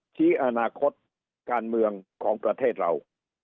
ชี้อนาคตการเมืองของประเทศเรา